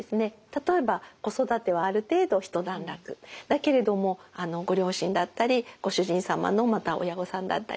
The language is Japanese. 例えば子育てはある程度ひと段落だけれどもご両親だったりご主人様のまた親御さんだったりですね